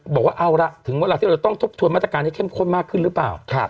บอกว่าเอาละถึงเวลาที่เราจะต้องทบทวนมาตรการให้เข้มข้นมากขึ้นหรือเปล่า